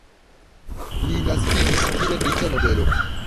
Li naskiĝis, kiel riĉa nobelo.